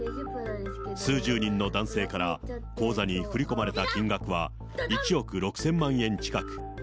数十人の男性から口座に振り込まれた金額は１億６０００万円近く。